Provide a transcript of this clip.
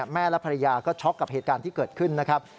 แม่และภรรยาก็ช็อกกับเหตุการณ์ที่เกิดขึ้นนะครับ